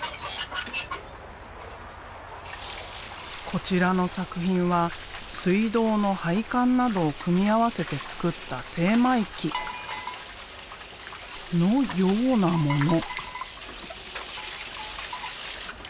こちらの作品は水道の配管などを組み合わせて作った精米機のようなもの。